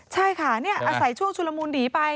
ใช่ค่ะอาศัยช่วงชุลมูลหนีไป